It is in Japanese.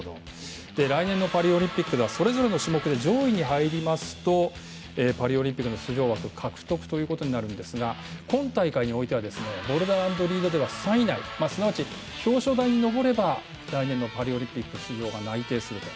来年のパリオリンピックではそれぞれの種目で上位に入りますとパリオリンピックでの出場枠獲得ということになるんですが今大会においてはボルダー＆リードでは３位以内すなわち表彰台に上れば来年のパリオリンピック出場が内定すると。